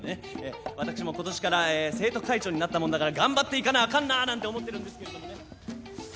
私も今年から生徒会長になったもんだから頑張っていかなあかんななんて思ってるんですけれどもね。